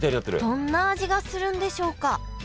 どんな味がするんでしょうか？